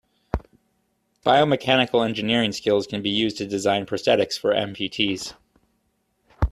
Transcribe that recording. Bio-mechanical engineering skills can be used to design prosthetics for amputees.